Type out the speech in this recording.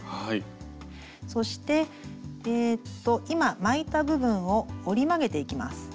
そして今巻いた部分を折り曲げていきます。